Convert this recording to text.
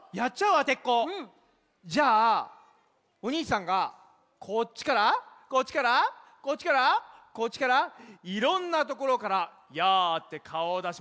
じゃあお兄さんがこっちからこっちからこっちからこっちからいろんなところから「やあ」ってかおをだします。